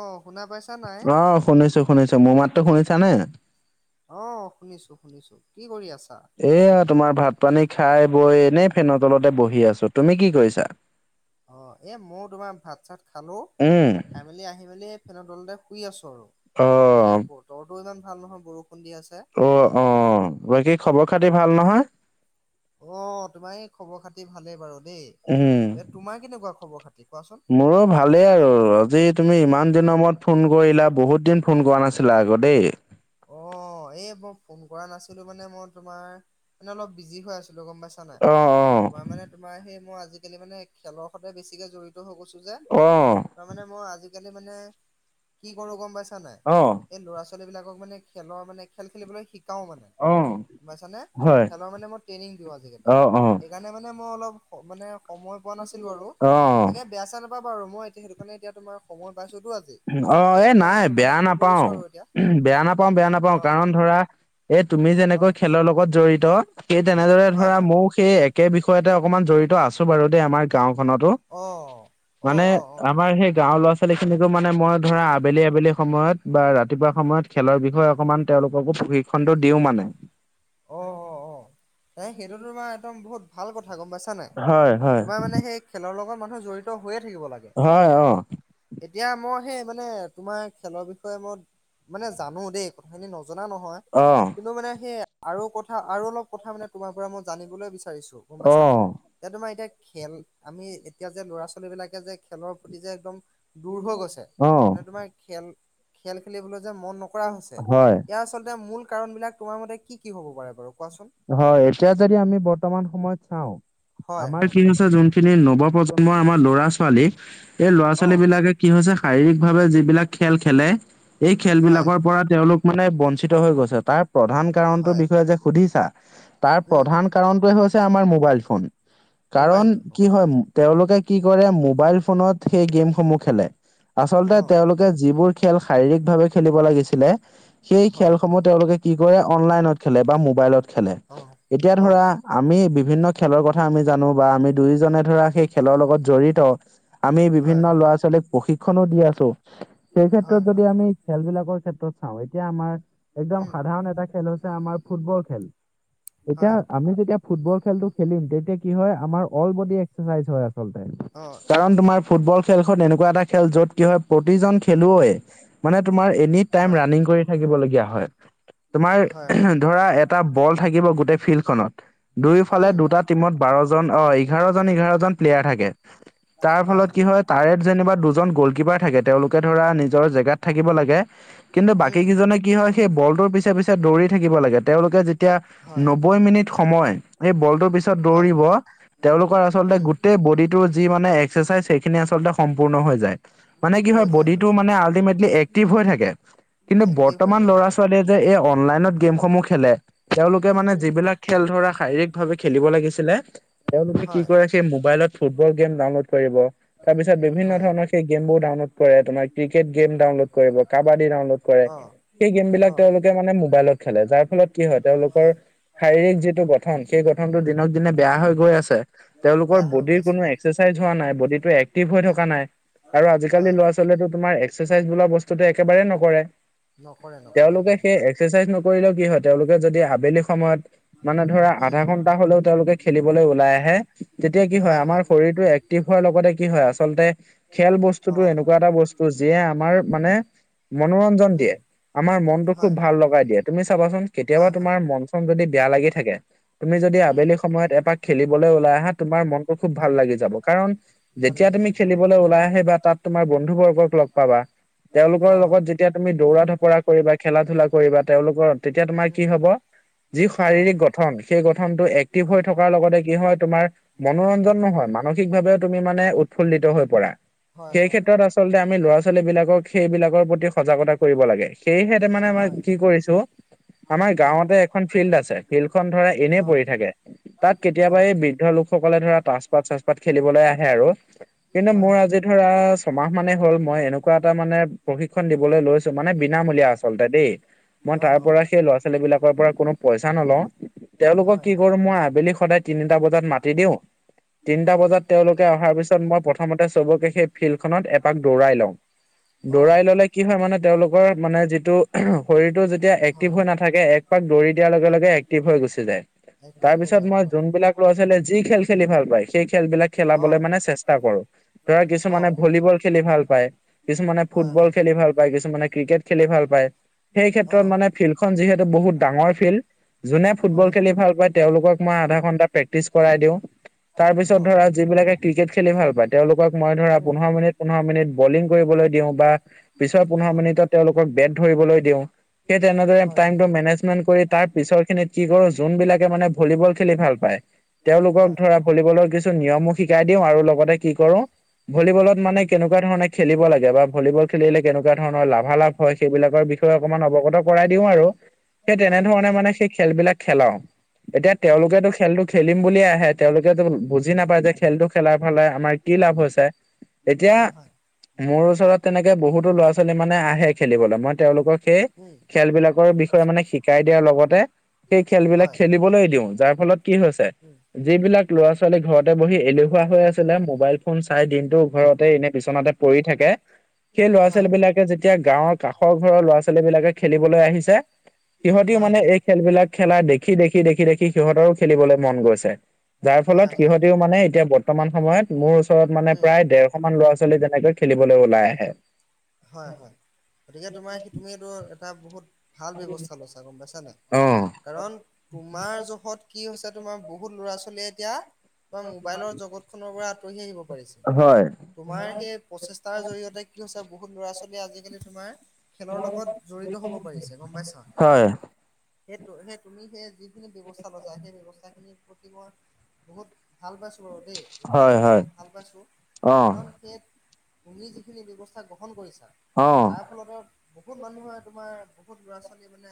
অ', শুনা পাইছা নাই? অ', শুনিছো। শুনিছো, মোৰ মাততো শুনিছা নে? অ', শুনিছো শুনিছো, কি কৰি আছা? এয়া তোমাৰ ভাত পানী খাই বৈ এনেই ফেনৰ তলতে বহি আছো, তুমি কি কৰিছা? অ', এ মই তোমাৰ ভাত চাত খালো, উম, খাই লি আহি মেলি ফেনৰ দলতে শুই আছো আৰু। তাকে অ', বতৰতো ইমান ভাল নহয় বৰষুণ দি আছে। অ', অ', বাকী খবৰ খাতি ভাল নহয়? অ', তোমাৰ এই খবৰ খাতি ভালেই বাৰু দেই। এ উম। তোমাৰ কেনেকুৱা খবৰ খাতি? কোৱাচোন মোৰো ভালেই আৰু, আজি তুমি ইমান দিনৰ মূৰত ফোন কৰিলা বহুত দিন ফোন কৰা নাছিলা আকৌ দেই। অ এই মই ফোন কৰা নাছিলো মানে মই তোমাৰ মানে অলপ বিজি হৈ আছ লো গম পাইছা নাই? অ', অ', তোমাৰ মানে তোমাৰ সেই মই আজিকালি মানে খেলৰ সৈতে বেছিকে জড়িত হৈ গৈছো যে। অ। তাৰমানে মই আজিকালি মানে কি কৰো গম পাইছা নাই? অ', এই ল'ৰা-ছোৱালীবিলাকক মানে খেলৰ মানে খেল খেলিবলৈ শিক শিকাও মানে অ', গম পাইছানে হয়, খেলৰ মানে মই ট্ৰেনিং দিও আজিকালি। অ', অ', সেইকাৰণে মানে মই অলপ মানে সময় পোৱা নাছিলো আৰু অ'। তাকে বেয়া-চেয়া না পাবা বাৰু ম ইএতিয়া সেইটো কাৰণে এতিয়া তোমাৰ সময় পাইছোটো আজি অ এই সেইকাৰণে মই নাই তোমালৈ বেয়া ফোন কৰিছো নাপাওঁ আৰু এতিয়া বেয়া নাপাওঁ বেয়া নাপাওঁ অ কাৰণ ধৰা এই তুমি অ যেনেকৈ খেলৰ লগত জড়িত সেই তেনেদৰে হয় ধৰা হয় মই সেই একে বিষয়তে অকমান জড়িত আছো বাৰু দেই আমাৰ গাঁওখনটো। অ। অ অ মানে অ অ আমাৰ সেই গাঁৱৰ ল'ৰা-ছোৱালীখিনিকো মানে মই ধৰা আবেলি আবেলি সময়ত বা ৰাতিপুৱা সময়ত খেলৰ বিষয়ে অকমান তেওঁলোককো প্ৰশিক্ষণটো দিওঁ মানে। অ অ অ এ সেইটো তোমাৰ একদম বহুত ভাল কথা গম পাইছা নে হয় হয় তোমাৰ মানে সেই খেলৰ লগত মানুহে জড়িত হৈয়ে থাকিব লাগে। হয় অ। এতিয়া মই সেই মানে তোমাৰ খেলৰ বিষয়ে মই মানে জানো দেই কথাখিনি নজনা নহয় অ কিন্তু মানে সেই আৰু কথা আৰু অলপ কথা মানে তোমাৰ পৰা মই জানিবলৈ বিচাৰিছো। গম পাইছা নাই? অ এতিয়া তোমাৰ এতিয়া খেল আমি এতিয়া যে ল'ৰা-ছোৱালীবিলাকে যে খেলৰ প্ৰতি যে একদম দূৰ হৈ গৈছে অ মানে তোমাৰ খেল খেল খেলিবলৈ যে মন নকৰা হৈছে হয় ইয়াৰ আচলতে মূল কাৰণবিলাক তোমাৰ মতে কি কি হ'ব পাৰে বাৰু কোৱাচোন? হয় এতিয়া যদি আমি বৰ্তমান সময়ত চাও হয় আমাৰ হয় কি হৈছে যোন খিনি নৱ প্ৰজন্মৰ আমাৰ ল'ৰা-ছোৱালী সেই অ ল'ৰা-ছোৱালীবিলাকে কি হৈছে শাৰীৰিকভাৱে যিবিলাক খেল খেলে এই হয় খেলবিলাকৰ পৰা তেওঁলোক মানে বঞ্চিত হৈ গৈছে তাৰ প্ৰধান কাৰণটোৰ হয় বিষয়ে যে সুধিছা তাৰ উম প্ৰধান কাৰণটোৱে হৈছে আমাৰ মোবাইল ফোন। মোবাইল কাৰণ ফোন কি হয় তেওঁলোকে কি কৰে মোবাইল ফোনত সেই গেমসমূহ খেলে। আচলতে অ তেওঁলোকে যিবোৰ খেল শাৰীৰিকভাৱে খেলিব লাগিছিলে সেই হয় খেলসমূহ তেওঁলোকে কি কৰে অনলাইনত খেলে বা মোবাইলত খেলে। অ এতিয়া অ ধৰা আমি বিভিন্ন খেলৰ কথা আমি জানো বা আমি দুয়োজনে ধৰা সেই খেলৰ লগত জড়িত আমি হয় বিভিন্ন হয় ল'ৰা-ছোৱালীক প্ৰশিক্ষনো দি আছো, সেই ক্ষেত্ৰত হয় যদি হয় আমি খেলবিলাকৰ ক্ষেত্ৰত চাওঁ এতিয়া আমাৰ একদম উম সাধাৰণ এটা খেল হৈছে আমাৰ ফুটবল খেল এতিয়া হয় আমি যেতিয়া ফুটবল খেলটো খেলিম তেতিয়া কি হয়, আমাৰ অল বডি এক্সাৰচাইজ হৈ আ অ কাৰণ তোমাৰ ফুটবল খেলখন এনেকুৱা এটা খেল য'ত কি হয় প্ৰতিজন খেলুৱৈয়ে মানে তোমাৰ এনি টাইম হয় ৰানিং কৰি থাকিবলগীয়া হয় তোমাৰ হয় হয় ধৰা এটা বল থাকিব গোটেই ফিল্ডখনত দুইফালে উম দুটা টিমত বাৰজন অ, এঘাৰজন এঘাৰজন প্লেয়াৰ থাকে কে তাৰ ফলত কি হয়, তাৰে যেনিবা দুজন গ'লকিপাৰ থাকে তেওঁলোকে ধৰা নিজৰ জেগাত থাকিব লাগে, কিন্তু বাকী উম কেইজনে কি হয় সেই বলটোৰ পিছে পিছে দৌৰি থাকিব লাগে তেওঁলোকে যেতিয়া হয় নব্বৈ মিনিট সময় এই বলটোৰ পিছত হয় দৌৰিব তেওঁলোকৰ আচলতে উম গোটেই বডিটোৰ যি মানে এক্সাৰচাইজ খিনি আচলতে সম্পূৰ্ণ হৈ যায়, মানে কি হৈ হয় যায় হৈ বডিটো যায় মানে আল্টিমেটলি এক্টিভ হৈ থাকে। কিন্তু এক্টিভ হৈ বৰ্তমান যায় হয় ল'ৰা-ছোৱালীয়ে যে এই অনলাইনত গেমসমূহ খেলে তেওঁলোকে মানে উম যিবিলাক খেল ধৰা শাৰীৰিকভাৱে খেলিব লাগিছিলে তেওঁলোকে কি হয় কৰে সেই মোবাইলত ফুটবল গেম ডাউনলোড কৰিব তাৰপিছত বিভিন্ন হয় ধৰণৰ সেই গেমবোৰ ডাউনলোড কৰে তোমাৰ ক্ৰিকেট গেম ডাউনলোড কৰিব, কাবাডী ডাউনলোড কৰে, অ সেই গেমবিলাক অ তেওঁলোকে মানে মোবাইলত খেলে যাৰ ফলত কি হয় লোকৰ শাৰীৰিক যিটো গঠন সেই গঠনটো দিনক দিনে বেয়া হৈ গৈছে তেওঁলোকৰ বেয়া হৈ গৈ বডীৰ আছে কোনো এক্স [unintelligible] নাই, বডিটো এক্টিভ হৈ উম থকা নাই। আৰু আজিকালি হয় ল'ৰা-ছোৱালীয়ে তোমাৰ এক্সাৰচাইজ বোলা বস্তুটো একেবাৰেই নকৰে। নকৰে নকৰে তেওঁলোকে হয় সেই এক্সাৰচাইজ নকৰিলেও কি হয় তেওঁলোকে যদি আবেলি সময়ত মানে ধৰা উম আধা ঘন্টা হ'লেও তেওঁলোকে খেলিবলৈ ওলাই আহে তেতিয়া কি হয় আমাৰ শৰীৰটো এক্টিভ হোৱাৰ লগতে কি হয়, আচলতে খেল অ বস্তুটো এনেকুৱা এটা বস্তু যিয়ে আমাৰ মানে মনোৰঞ্জন উম দিয়ে, আমাৰ মনটো খুব হয় ভাল লগাই দিয়ে তুমি চাবাচোন হয় কেতিয়াবা হয় তোমাৰ মন-চন যদি বেয়া লাগি থাকে তুমি যদি উম আবেলি সময়ত এপাক খেলিবলৈ ওলাই আহা তোমাৰ মনটো খুব ভাল লাগি যাব কাৰণ ভাল যেতিয়া লাগি তুমি যাব অ খেলিবলৈ ওলাই আহিবা তাত তোমাৰ বন্ধু বৰ্গক লগ পাবা তেওঁলোকৰ অ লগত যেতিয়া তুমি দৌৰা-ধপৰা কৰিবা, খেলা-ধূলা কৰিবা, তেওঁলোকৰ তেতিয়া তোমাৰ কি উম হ'ব যি অ শাৰীৰিক গঠন সেই গঠনটো এক্টিভ হৈ থকাৰ লগতে কি হয়, তোমাৰ মনোৰঞ্জনো হয়। মানসিকভাৱেও তুমি মানে উৎফুল্লিত হৈ পৰা। হয় সেই হয় হয় ক্ষেত্ৰত আচলতে আমি ল'ৰা-ছোৱালীবিলাকক সেইবিলাকৰ প্ৰতি সজাগতা কৰিব লাগে। সেয়েহে তাৰমানে হয় মই কি কৰিছো আমাৰ গাঁৱতে এখন ফিল্ড আছে, ফিল্ডখন ধৰা এনেই হয় অ পৰি থাকে তাত কেতিয়াবা অ', এই বৃদ্ধলোক সকলে ধৰা তাচপাত-চাচপাত খেলিবলৈ আহে আৰু কিন্তু হয়, মোৰ হয়, আজি ধৰা ছমাহ মানে হ'ল মই এনেকুৱা এটা মানে প্ৰশিক্ষণ দিবলৈ লৈছো মানে বিনামূলীয়া আচলতে দেই। মই [unintelligible] তাৰ পৰা সেই ল'ৰা-ছোৱালীবিলাকৰ পৰা কোনো পইচা নলওঁ তেওঁলোকক হয়, কি কৰো মই আবেলি সদায় তিনিটা বজাত মাতি দিওঁ তিনটা উম, বজাত তেওঁলোকে অহাৰ পিছত মই প্ৰথমতে চবকে সেই ফিল্ডখনত এপাক দৌৰাই লও। অ', দৌৰাই ল'লে কি হয় মানে তেওঁলোকৰ মানে যিটো শৰীৰটো যেতিয়া হয়। এক্টিভ হৈ নাথাকে, এক পাক দৌৰি দিয়াৰ লগে লগে এক্টিভ হৈ গুচি যায়। এক্টিভ হৈ যাব তাৰপিছত মই হয়, যোনবিলাক ল'ৰা-ছোৱালীয়ে যি খেল খেলি ভাল পায়, সেই খেলবিলাক অ', খেলাবলৈ মানে চেষ্টা কৰো। ধৰা কিছুমানে অ', ভলীবল খেলি ভাল পায় কিছুমানে হয়, ফুটবল হয়, খেলি ভাল পায়, কিছুমানে ক্ৰিকেট খেলি ভাল পায়, অ। খন যিহেতু বহুত ডাঙৰ ফিল্ড যোনে ফুটবল হয়, খেলি ভাল পাই তেওঁলোকক মই আধা ঘন্টা প্ৰেক্টিচ কৰাই দিওঁ। তাৰ পিছত অ', ধৰা যিবিলাকে ক্ৰিকেট খেলি ভাল পায়, তেওঁলোকক মই উম, অ', ধৰা হয়, হয়, পোন্ধৰ মিনিট, পোন্ধৰ মিনিট বলিং কৰিবলৈ দিওঁ বা পিছৰ হয়, পোন্ধৰ উম, মিনিটত তেওঁলোকক বেট ধৰিবলৈ দিওঁ। সেই তেনেদৰে হয়, টাইমটো হয়, মেনেজমেন্ট কৰি তাৰ পিছৰ খিনিত কি কৰো যোনবিলাকে মানে ভলীবল খেলি ভাল পায় তেওঁলোকক হয়। ধৰা ভলীবলৰ কিছু নিয়মো শিকাই দিওঁ আৰু লগতে কি কৰো ভলীবলত হয়, মানে হয়, উম, কেনেকুৱা ধৰণে খেলিব লাগে বা ভলীবল খেলিলে কেনেকুৱা ধৰণৰ লাভালাভ হয় সেইবিলাকৰ বিষয়ে অকমান অৱগত কৰাই দিও আৰু সেই হয়, উম, হয়, তেনেধৰণে মানে খেলবিলাক খেলাও এতিয়া তেওঁলোকেটো খেলটো খেলিম বুলিয়ে আহে। তেওঁলোকেটো বুজি নাপায় যে খেলটো খেলাৰ ফালে আমাৰ কি লাভ হৈছে এতিয়া হয়, মোৰ ওচৰত তেনেকে বহুতো ল'ৰা-ছোৱালী মানে আহে খেলিবলৈ মই তেওঁলোকক সেই খেলবিলাকৰ বিষয়ে মানে শিকাই দিয়াৰ লগতে সেই হয়, খেলবিলাক হয়, খেলি খেলিবলৈ দিওঁ যাৰ ফলত কি হৈছে উম, যিবিলাক ল'ৰা-ছোৱালী ঘৰতে বঢ়ি এলেহুৱা হৈ আছিলে মোবাইল ফোন চাই দিনটো ঘৰতে এনে বিচনাতে পঢ়ি থাকে সেই ল'ৰা-ছোৱালীবিলাকে যেতিয়া গাঁৱৰ কাষৰ ঘৰৰ ল'ৰা-ছোৱালীবিলাকে খেলিবলৈ আহিছে। সিহঁতিও মানে এই খেলবিলাক খেলা দেখি দেখি দেখি দেখি সিহঁতৰো খেলিবলৈ মন গৈছে। যাৰ হয়, ফলত সিহঁতিও মানে এতিয়া বৰ্তমান সময়ত মোৰ ওচৰত মানে প্ৰায় ডেৰশ মান ল'ৰা-ছোৱালী তেনেকৈ খেলিবলে ওলাই আহে। হয় হয় গতিকে তোমাৰ সেইটো তুমিটো এটা বহুত ভাল ব্যৱস্থা লৈছা গম পাইছা নে? কাৰণ তোমাৰ জহত কি হৈছে তোমাৰ বহুত ল'ৰা-ছোৱালীয়ে এতিয়া তোমাৰ মোবাইলৰ জগতখনৰ পৰা আঁতৰি আহিব পাৰিছে হয় তোমাৰ সেই প্ৰচেষ্টাৰ জৰিয়তে কি হৈছে বহুত ল'ৰা-ছোৱালীয়ে আজিকালি তোমাৰ খেলৰ লগত জড়িত হ'ব পাৰিছে গম পাইছা? হয় সেই তু সেই তুমি সেই যিখিনি ব্যৱস্থা লৈছা সেই ব্যৱস্থাখিনি প্ৰতি মই বহুত ভাল পাইছো বাৰু দেই। হয় ব্যৱস্থাখিনি হয় মই ভাল পাইছো। অঁ কাৰণ সেই তুমি যিখিনি ব্যৱস্থা গ্ৰহণ কৰিছা অঁ তাৰফলতে বহুত মানুহে তোমাৰ বহুত ল'ৰা-ছোৱালী মানে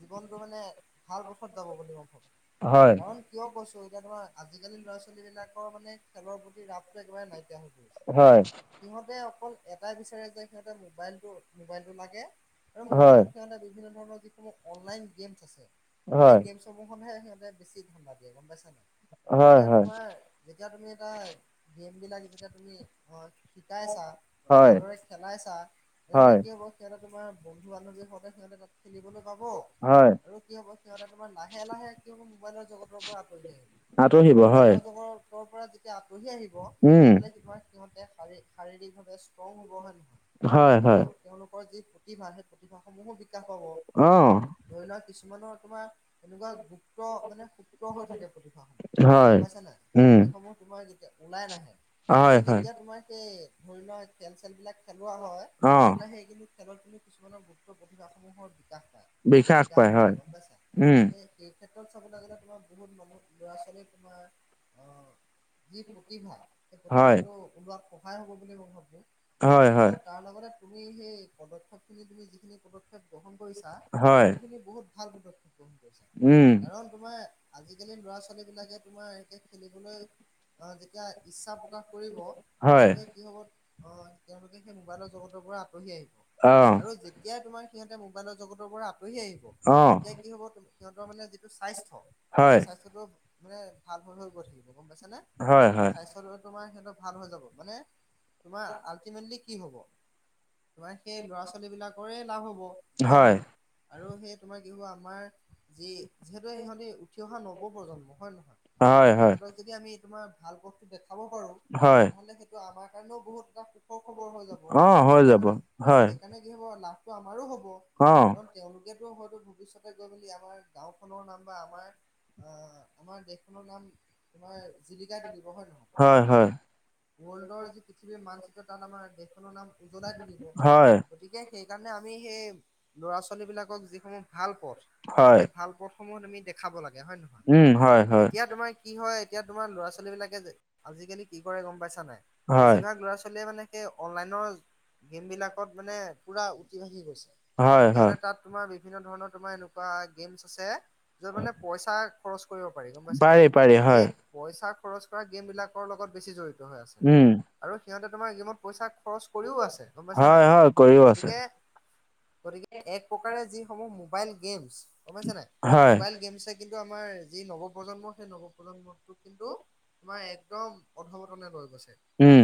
জীৱনটো মানে ভাল পথত যাব বুলি মই ভাবো হয় কাৰণ কিয় কৈছো এতিয়া তোমাৰ আজিকালি ল'ৰা-ছোৱালীবিলাকৰ মানে খেলৰ প্ৰতি ৰাপটো একেবাৰে নাইকিয়া হৈ গ'ল। হয়। সিহঁতে অকল এটাই বিচাৰে যে সিহঁতে মোবাইলটো মোবাইলটো লাগে, আৰু হয় মোবাইলত সিঁহতে বিভিন্ন ধৰণৰ যিসমূহ অনলাইন গেমছ আছে সেই হয় গেমছ সমূহতহে সিহঁতে বেছি ধান্দা দিয়ে গম পাইছা নাই হয় এতিয়া তোমাৰ যেতিয়া তুমি এটা গেমবিলাক যেতিয়া তুমি শিকাইছা হয় হয় ভালদৰে খেলাইছা তেনেহ'লে হয় কি হ'ব সিহঁতে তোমাৰ বন্ধু-বান্ধৱীৰ সৈতে সিহঁতে তাত খেলিবলৈ পাব হয় আৰু কি হ'ব সিহঁতে তোমাৰ লাহে লাহে কি হ'ব মোবাইলৰ জগতৰ পৰা আঁতৰি আঁতৰিব আহিব হয় মোবাইলৰ জগতৰ পৰা যে যেতিয়া আঁতৰি আহিব উম তেনেহ'লে কি হয় সিহঁতে শাৰীৰিকভাৱে ষ্ট্ৰং হ'ব হয় নহয়? হয় আৰু হয় তেওঁলোকৰ যি প্ৰতিভা আছে সেই প্ৰতিভাসমূহো বিকাশ হ'ব। অঁ ধৰি লোৱা‌ কিছুমানৰ তোমাৰ এনেকুৱা সু্ক্ত মানে সুক্ত হৈ থাকে প্ৰতিভাসমূহ গম হয় পাইছা নাই উম যিসমূহ তোমাৰ যেতিয়া ওলাই নাহে হয় হয় যেতিয়া তোমাৰ সেই ধৰি লোৱা খেল-চেলবিলাক খেলোৱা হয় অঁ তেনেহলে সেই কিন্তু খেলৰ পিনে কিছুমানৰ গুপ্ত প্ৰতিভাসমূহৰ বিকাশ পায়। বিকাশ পায় ঘটে হয় গম পাইছা উম সেই সেই ক্ষেত্ৰত চাবলে গ'লে তোমাৰ বহুত মানুহ ল'ৰা-ছোৱালীয়ে তোমাৰ যি প্ৰতিভা সেই হয় প্ৰতিভাটো ওলোৱাত সহায় হ'ব বুলি মই ভাবো হয় হয় আৰু তাৰ লগতে তুমি সেই পদক্ষেপখিনি তুমি যিখিনি পদক্ষেপ গ্ৰহণ কৰিছা হয়, সেইখিনি বহুত ভাল পদক্ষেপ গ্ৰহণ কৰিছা উম, কাৰণ তোমাৰ আজিকালি ল'ৰা-ছোৱালীবিলাকে তোমাৰ এনেকে খেলিবলৈ অ যেতিয়া ইচ্ছা প্ৰকাশ কৰিব হয়, তেওঁলোকে কি হ'ব তেওঁলোকে সেই মোবাইলৰ জগতৰ পৰা আঁতহি আহিব। অহ, আৰু যেতিয়াই তোমাৰ সিহঁতে মোবাইলৰ জগতৰ পৰা আঁতৰি আহিব অ। তেতিয়া কি হ'ব সিহঁতৰ মানে যিটো স্বাস্থ্য হয়, সেই স্বাস্থ্যটো মানে ভাল হৈ হৈ গৈ থাকিব গম পাইছানে, হয়, হয়, স্বাস্থ্যটো তোমাৰ সিহঁতৰ ভাল হৈ যাব মানে তোমাৰ আল্টিমেটলি কি হ'ব তোমাৰ সেই ল'ৰা-ছোৱালীবিলাকৰেই লাভ হ'ব হয় নহয় আৰু সেই তোমাৰ কিহ'ব আমাৰ যি যিহেতু সিহঁতি উঠি অহা নৱ প্ৰজন্ম হয় নহয় হয়, হয়, সিহঁতক যদি আমি তোমাৰ ভাল পথটো দেখাব পাৰো হয়, তেনেহ'লে সেইটো আমাৰ কাৰণেও বহুত এটা সুখৰ খবৰ হৈ যাব ন অহ, হৈ হয় যাব, নহয় সেইকাৰণে কি হ'ব লাভটো আমাৰো হ'ব। অ। তেওঁলোকেটো হয়তো ভৱিষ্যতে গৈ মেলি আমাৰ গাঁওখনৰ নাম বা আমাৰ এ আমাৰ দেশখনৰ নাম তোমাৰ জিলিকাই তুলিব হয় নহয়? হয় হয়। ৱৰ্ল্ডৰ যি পৃথিৱীৰ মানচিত্ৰ তাত আমাৰ দেশখনৰ নাম উজলাই তুলিব হয়, গতিকে সেইকাৰণে আমি সেই ল'ৰা-ছোৱালীবিলাকক যিসমূহ ভাল পথ হয়, সেই ভাল পথ সমূহ তুমি দেখাব লাগে হয় নহয় উম, হয়, হয়, এতিয়া তোমাৰ কি হয় এতিয়া তোমাৰ ল'ৰা-ছোৱালীবিলাকে যে আজিকালি কি কৰে গম পাইছা নাই হয়, বেছিভাগ ল'ৰা-ছোৱালীয়ে মানে সেই অনলাইনৰ গেমবিলাকত মানে পূৰা উটি-ভাহি গৈছে হয়, হয়, সিহঁতে তাত তোমাৰ বিভিন্ন ধৰণৰ তোমাৰ এনেকুৱা গেমছ আছে য'ত মানে পইচা খৰচ কৰিব পাৰি গম পাইছা নাই পাৰি, পাৰি, সেই হয়, পইচা খৰচ কৰা গেমবিলাকৰ লগত বেছি জড়িত হৈ আছে উম, আৰু সিহঁতে তোমাৰ গেমত পইচা খৰচ কৰিও আছে গম পাইছা নাই হয়, হয়, কৰিও আছে, গতিকে গতিকে এক প্ৰকাৰে যিসমূহ মোবাইল গেমছ গম পাইছা নাই হয়, মোবাইল গেমছে কিন্তু আমাৰ যি নৱ প্ৰজন্ম সেই নৱ প্ৰজন্মটোক কিন্তু তোমাৰ একদম অধ্বপতনে লৈ গৈছে। উম,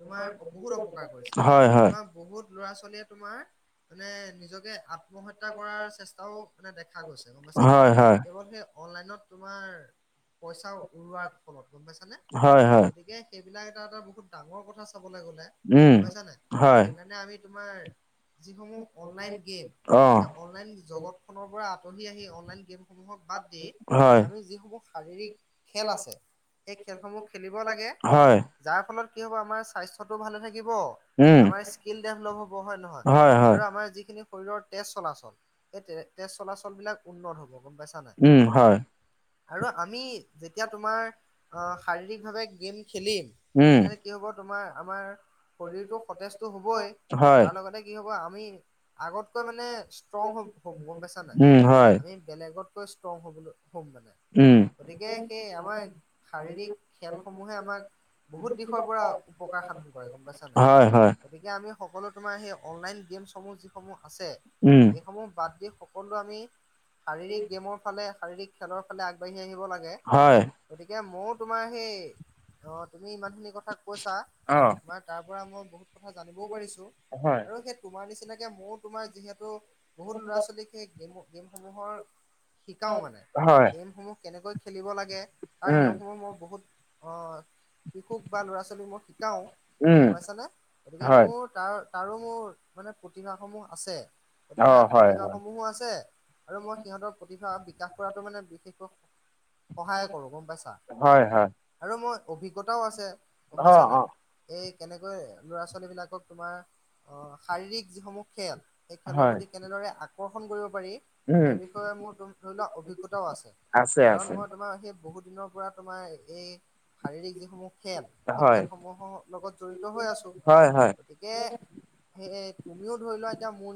তোমাৰ বহুত অপকাৰ কৰিছে হয়, হয়, তোমাৰ বহুত ল'ৰা-ছোৱালীয়ে তোমাৰ মানে নিজকে আত্ম আত্মহত্যা কৰাৰ চেষ্টাও মানে দেখা গৈছে গমাইছা নাই হয়, হয়, কেৱল সেই অনলাইনত তোমাৰ পইচা উৰুৱাৰ ফলত গম পাইছানে হয়, হয়, গতিকে সেইবিলাক এটা এটা বহুত ডাঙৰ কথা চাবলে গ'লে উম, গম পাইছা নাই হয়, সেইকাৰণে আমি তোমাৰ যিসমূহ অনলাইন গেম অহ, সেই অনলাইন জগত খনৰ পৰা আঁতহি আহি অনলাইন গেমসমূহক বাদ দি হয়, আমি যিসমূহ শাৰীৰিক খেল আছে সেই খেলসমূহ খেলিব লাগে। হয়। যাৰ ফলত কি হ'ব আমাৰ স্বাস্থ্যটো ভালে থাকিব উম, আমাৰ স্কিল দেভলপ হ'ব হয় নহয় হয়, হয়, আৰু আমাৰ যিখিনি শৰীৰৰ তেজ চলাচল সেই তেজ চলাচলবিলাক উন্নত হ'ব গম পাইছা নাই? উম, হয়, আৰু আমি যেতিয়া তোমাৰ অ শাৰীৰিকভাৱে গেম খেলিম উম, কি হ'ব তোমাৰ আমাৰ শৰীৰটো সতেজটো হ'বই হয়, তাৰ লগতে কি হ'ব আমি আগতকৈ মানে ষ্ট্ৰং হ'ম হ'ম গম পাইছা নাই উম, হয়। আমি বেলেগতকৈ ষ্ট্ৰং হ'বলৈ হ'ম মানে। উম, গতিকে সেই আমাৰ শাৰীৰিক খেলসমূহে আমাক বহুত দিশৰ পৰা উপকাৰ সাধন কৰে গম পাইছা নাই? হয়, হয়, গতিকে আমি সকলো তোমাৰ সেই অনলাইন গেমছসমূহ যিসমূহ আছে উম। সমূহ বাদ দি সকলো আমি শাৰীৰিক গে'মৰ ফালে, শাৰীৰিক খেলৰ ফালে আগবাঢ়ি আহিব লাগে। হয়। গতিকে মইয়ো তোমাৰ সেই অ তুমি ইমানখিনি কথা কৈছা অ', তোমাৰ তাৰ পৰা মই বহুত কথা জানিবও পাৰিছো হয়, আৰু সেই তোমাৰ নিচিনাকে মইয়ো তোমাৰ যিহেতু বহুত ল'ৰা-ছোৱালীক সেই গেম গেমসমূহৰ শিকাও মানে হয়, গেমসমূহ কেনেকৈ খেলিব লাগে তাৰ উম, নিয়মসমূহ মই বহুত অ শিশুক বা ল'ৰা-ছোৱালীক মই শিকাও উম, গমাইছানে গতিকে হয়, মোৰ তাৰ তাৰো মোৰ মানে প্ৰতিভাসমূহ আছে, প্ৰতিভা অ', হয়, হয়। প্ৰতিভাসমূহো আছে আৰু মই সিহঁতৰ প্ৰতিভা বিকাশ কৰাটো মানে বিশেষকৈ সহায় কৰো গম পাইছা হয়, হয়, আৰু মই অভিজ্ঞতাও আছে গম অ', পাইছানে? অ', এই কেনেকৈ ল'ৰা-ছোৱালীবিলাকক তোমাৰ শাৰীৰিক যিসমূহ খেল সেই খেলৰ হয়, প্ৰতি কেনেদৰে আকৰ্ষণ কৰিব পাৰি উম, সেই বিষয়ে মোৰ তুমি ধৰি লোৱা অভিজ্ঞতাও আছে কাৰণ মই তোমাৰ সেই বহুত দিনৰ পৰা তোমাৰ এই শাৰীৰিক সমূহ খেল এই হয়, খেলসমূহৰ লগত জড়িত হৈ আছো। হয়, হয়। গতিকে সেই তুমিও ধৰি লোৱা এতিয়া মোৰ